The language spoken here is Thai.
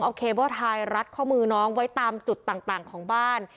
เอาเคเบิ้ลไทยรัดข้อมือน้องไว้ตามจุดต่างของบ้าน